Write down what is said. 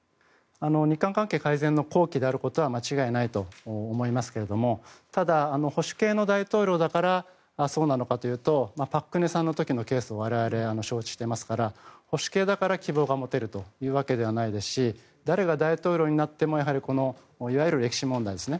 日韓関係改善の好機であることは間違いないと思いますけれどもただ、保守系の大統領だからそうなのかというと朴槿惠さんの時のケースを我々、承知していますから保守系だから希望が持てるというわけではないですし誰が大統領になってもいわゆる歴史問題ですね。